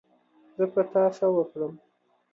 زه په تا څه وکړم